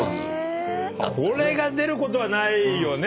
これが出ることはないよね？